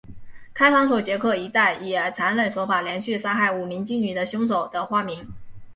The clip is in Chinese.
开膛手杰克一带以残忍手法连续杀害五名妓女的凶手的化名。